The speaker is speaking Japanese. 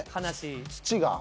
土が。